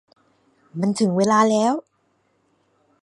มันถึงเวลาแล้ว